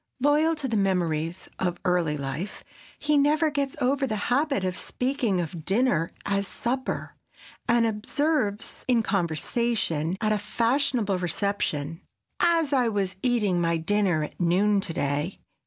Loyal to the memories of early life, he never gets over the habit of speaking of dinner as "supper," and observes in conversation at a fashionable reception, "As I was eating my dinner at noon to day."